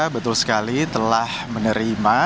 betul sekali telah menerima